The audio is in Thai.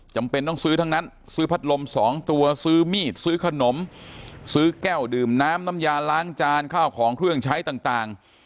จำเป็นต้องซื้อทั้งนั้นซื้อพัดลม๒ตัวซื้อมีดซื้อขนมซื้อแก้วดื่มน้ำน้ำยาล้างจานข้าวของเครื่องใช้ต่าง